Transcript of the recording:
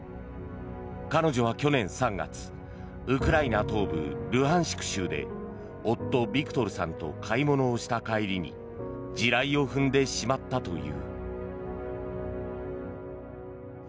彼女は去年３月ウクライナ東部ルハンシク州で夫、ビクトルさんと買い物をした帰りに地雷を踏んでしまったという。